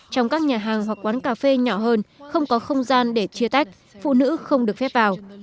trong các nhà hàng hoặc quán cà phê nhỏ hơn không có không gian để chia tách phụ nữ không được phép vào